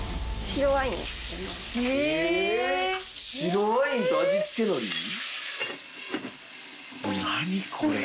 白ワインと味付けのり？